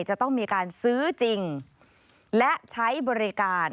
จะต้องมีการซื้อจริงและใช้บริการ